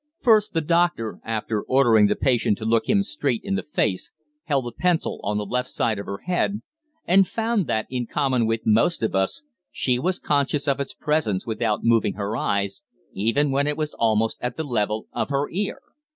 First the doctor, after ordering the patient to look him straight in the face, held a pencil on the left side of her head, and found that, in common with most of us, she was conscious of its presence without moving her eyes, even when it was almost at the level of her ear.